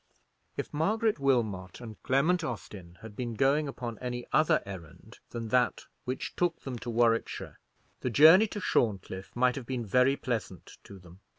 If Margaret Wilmot and Clement Austin had been going upon any other errand than that which took them to Warwickshire, the journey to Shorncliffe might have been very pleasant to them.